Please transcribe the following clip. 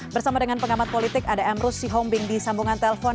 bersama dengan pengamat politik ada emrus sihombing di sambungan telpon